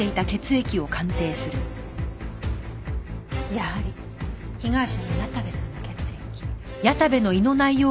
やはり被害者の矢田部さんの血液。